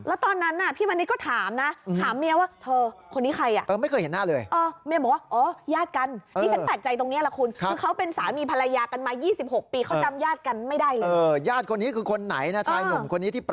แล้วตอนนั้นน่ะพี่มณิชก็ถามนะถามเมียว่าเธอคนนี้ใครอ่ะ